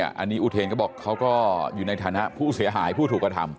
อันนี้อุเทนก็บอกเขาก็อยู่ในฐานะผู้เสียหายผู้ถูกกระทำ